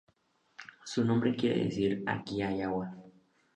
Su nombre quiere decir "aquí hay agua".